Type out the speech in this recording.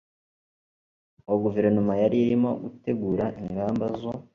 ngo guverinoma yari irimo gutegura ingamba zo